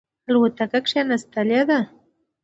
الوتکه کښېنستلې ده.